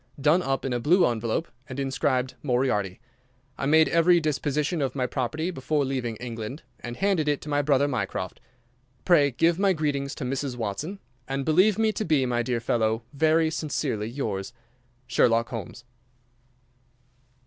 done up in a blue envelope and inscribed 'Moriarty.' I made every disposition of my property before leaving England, and handed it to my brother Mycroft. Pray give my greetings to Mrs. Watson, and believe me to be, my dear fellow, "Very sincerely yours, "Sherlock Holmes."